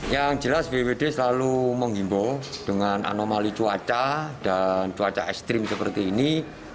yang jelas bppd selalu menghimbau dengan anomali cuaca dan cuaca ekstrim seperti ini